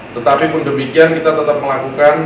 tetapi pun demikian kita tetap melakukan